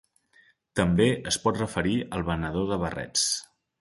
També es pot referir al venedor de barrets.